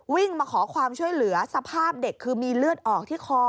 วิ่งมาขอความช่วยเหลือสภาพเด็กคือมีเลือดออกที่คอ